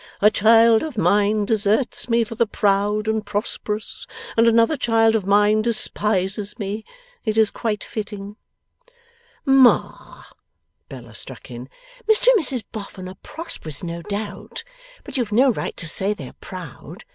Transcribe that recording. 'A child of mine deserts me for the proud and prosperous, and another child of mine despises me. It is quite fitting.' 'Ma,' Bella struck in, 'Mr and Mrs Boffin are prosperous, no doubt; but you have no right to say they are proud.